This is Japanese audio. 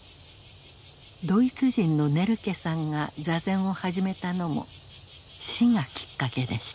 ドイツ人のネルケさんが坐禅を始めたのも死がきっかけでした。